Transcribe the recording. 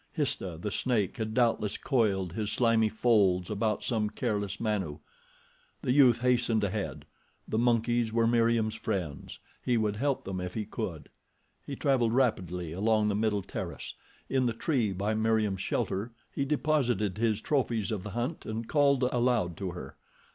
Histah, the snake, had doubtless coiled his slimy folds about some careless Manu. The youth hastened ahead. The monkeys were Meriem's friends. He would help them if he could. He traveled rapidly along the middle terrace. In the tree by Meriem's shelter he deposited his trophies of the hunt and called aloud to her.